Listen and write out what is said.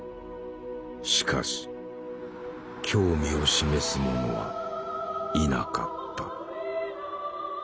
しかし興味を示す者はいなかった。